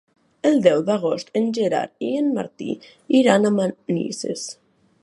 El deu d'agost en Gerard i en Martí iran a Manises.